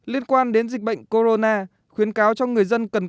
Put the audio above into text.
liên quan đến dịch bệnh corona khuyến cáo cho người dân cần cẩn thận